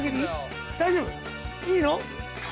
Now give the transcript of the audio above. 大丈夫？いいの？